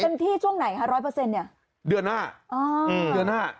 ที่ช่วงไหนคะร้อยเปอร์เซ็นต์เนี่ยเดือนหน้าอ๋ออืมเดือนหน้า